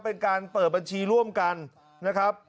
เป็นการเปิดบัญชีร่วมกันนะครับ